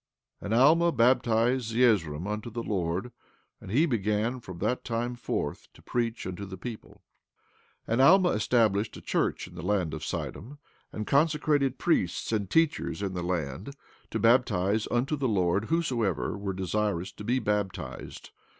15:12 And Alma baptized Zeezrom unto the Lord; and he began from that time forth to preach unto the people. 15:13 And Alma established a church in the land of Sidom, and consecrated priests and teachers in the land, to baptize unto the Lord whosoever were desirous to be baptized.